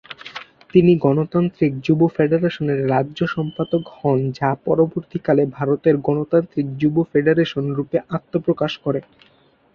তিনি গণতান্ত্রিক যুব ফেডারেশনের রাজ্য সম্পাদক হন যা পরবর্তী কালে ভারতের গণতান্ত্রিক যুব ফেডারেশন রূপে আত্মপ্রকাশ করে।